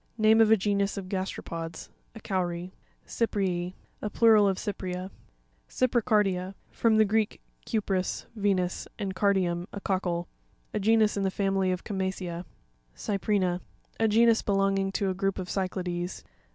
Name of a genus of gas teropods. <A cowry. Cyrrz'«.—Plural of Cyprea. Cypricar p1a.—F'rom the Greek, ku pris, Venus, and cardium, a cockle. A genus of the family of Chama cea. Cypri'na.— A genus belonging to a group of Cy'clades.